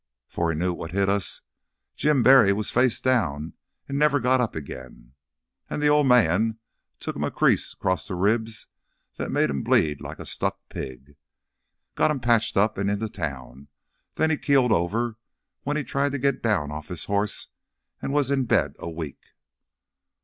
'Fore he knew what hit us Jim Berry was face down an' never got up again. An' th' Old Man took him a crease 'crost th' ribs that made him bleed like a stuck pig. Got him patched up an' into town; then he keeled over when he tried to git down off his hoss an' was in bed a week."